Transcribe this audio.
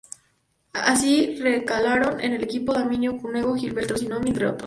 Así, recalaron en el equipo Damiano Cunego y Gilberto Simoni, entre otros.